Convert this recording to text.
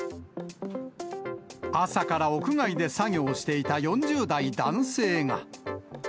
朝から屋外で作業していた４０代男性が。